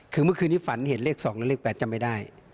คือเมื่อคืนนี้ฝันเห็นเลข๒และเลข๘จำไม่ได้